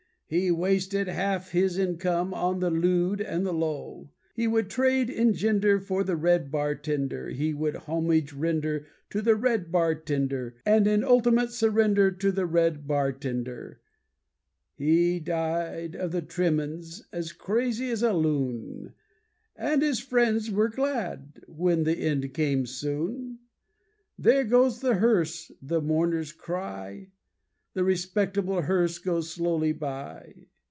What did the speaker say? He wasted half his income on the lewd and the low. He would trade engender for the red bar tender, He would homage render to the red bar tender, And in ultimate surrender to the red bar tender, He died of the tremens, as crazy as a loon, And his friends were glad, when the end came soon. There goes the hearse, the mourners cry, The respectable hearse goes slowly by.